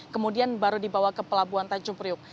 kemudian baru dibawa ke pelabuhan tanjung priuk